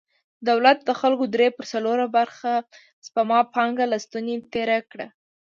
دولت د خلکو درې پر څلور برخه سپما پانګه له ستونې تېره کړه.